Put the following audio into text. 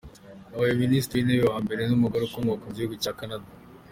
Yabaye Minisitiri w’Intebe wa mbere w’umugore ukomoka mu gihugu cya Canada.